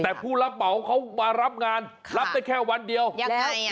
แต่ผู้รับเหมาเขามารับงานรับได้แค่วันเดียวยังแล้ว